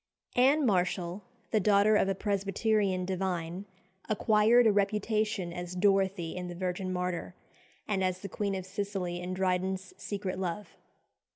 Anne Marshall, the daughter of a Presbyterian divine, acquired a reputation as Dorothea in "The Virgin Martyr," and as the Queen of Sicily in Dryden's "Secret Love."